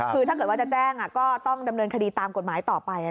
คือถ้าเกิดว่าจะแจ้งก็ต้องดำเนินคดีตามกฎหมายต่อไป